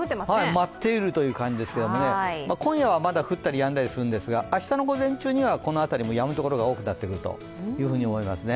舞っているという感じですけど、今夜は降ったりやんだりですが、明日の午前中にはこの辺りもやむ所が多くなってくると思います。